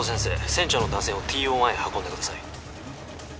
船長の男性をＴＯ１へ運んでください